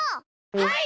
はい！